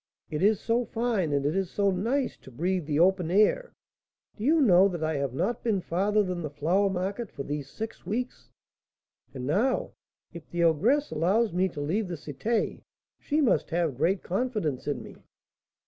It is so fine and it is so nice to breathe the open air! Do you know that I have not been farther than the flower market for these six weeks? And now, if the ogress allows me to leave the Cité, she must have great confidence in me."